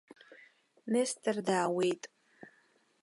Нестор даауеит!